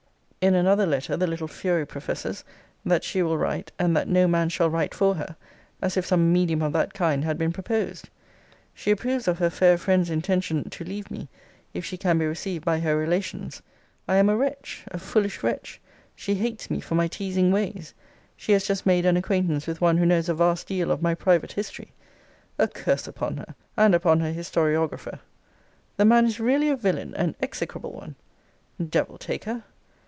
In another letter,* the little fury professes, 'that she will write, and that no man shall write for her,' as if some medium of that kind had been proposed. She approves of her fair friend's intention 'to leave me, if she can be received by her relations. I am a wretch, a foolish wretch. She hates me for my teasing ways. She has just made an acquaintance with one who knows a vast deal of my private history.' A curse upon her, and upon her historiographer! 'The man is really a villain, an execrable one.' Devil take her!